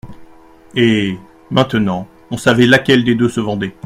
Et, maintenant, on savait laquelle des deux se vendait.